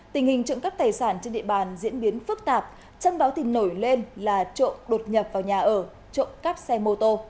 tình hình trộm cắp tài sản trên địa bàn diễn biến phức tạp chân báo thì nổi lên là trộm đột nhập vào nhà ở trộm cắp xe mô tô